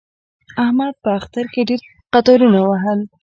احمد په اختر کې ډېر قطارونه ووهل.